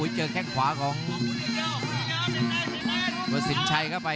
เจอแข้งขวาของสินชัยเข้าไป